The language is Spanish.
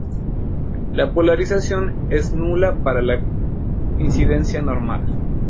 La polarización es nula para la incidencia normal".